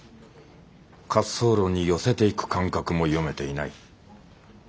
滑走路に寄せていく感覚も読めていない。